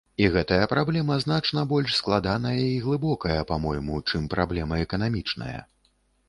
І гэтая праблема значна больш складаная і глыбокая, па-мойму, чым праблема эканамічная.